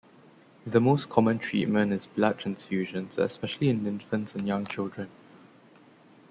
The most common treatment is blood transfusions, especially in infants and young children.